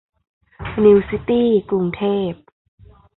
นิวซิตี้ กรุงเทพ